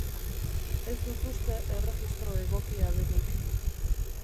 Ez dut uste erregistro egokia denik.